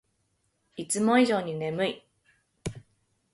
いつも以上に眠い